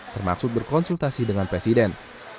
termasuk berkonsultasi dengan presiden